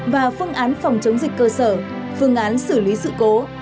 và phương án phòng chống dịch cơ sở phương án xử lý sự cố